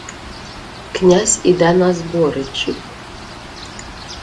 Князь іде на Зборичів.